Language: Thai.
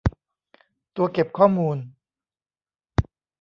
ตัวเก็บข้อมูล